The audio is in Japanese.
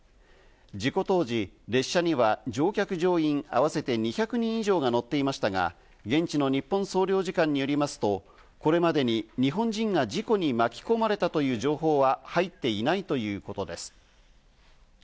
事故当時、列車には乗客乗員合わせて２００人以上が乗っていましたが、現地の日本総領事館によりますと、これまでに日本人が事故に巻き込まれたという情報は入っていないということです。